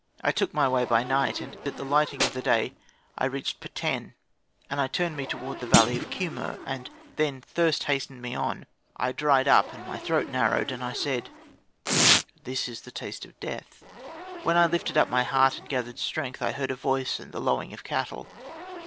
I took my way by night, and at the lighting or the day I reached Peten, and turned me toward the valley of Kemur. Then thirst hasted me on; I dried up, and my throat narrowed, and I said, "This is the taste of death." When I lifted up my heart and gathered strength, I heard a voice and the lowing of cattle.